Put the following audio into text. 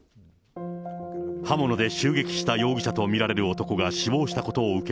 刃物で襲撃した容疑者と見られる男が死亡したことを受け、